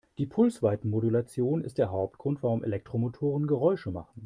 Die Pulsweitenmodulation ist der Hauptgrund, warum Elektromotoren Geräusche machen.